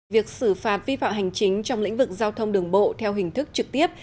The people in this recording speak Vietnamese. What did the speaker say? việc xử phạt vi phạm hành chính trong lĩnh vực giao thông đường bộ theo hình thức trực tiếp